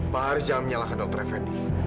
pak haris jangan menyalahkan dr effendi